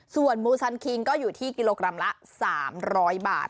ส่วนมูซันคิงก็อยู่ที่กิโลกรัมละ๓๐๐บาท